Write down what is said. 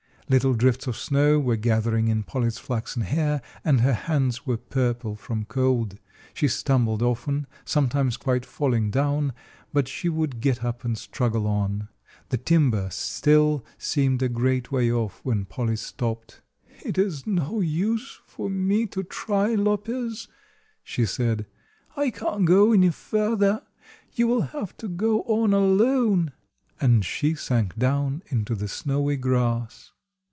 Little drifts of snow were gathering in Polly's flaxen hair, and her hands were purple from cold. She stumbled often, sometimes quite falling down, but she would get up and struggle on. The timber still seemed a great way off, when Polly stopped. "It is no use for me to try, Lopez," she said; "I can't go any further. You will have to go on alone," and she sank down into the snowy grass.